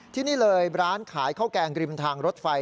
ที่นี่เลยร้านขายข้าวแกงริมทางรถไฟ